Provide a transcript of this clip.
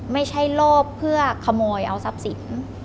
ไม่ใช่โลภเพื่อขโมยเอาทรัพย์สิน